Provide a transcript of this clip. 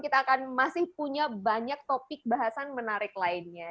kita akan masih punya banyak topik bahasan menarik lainnya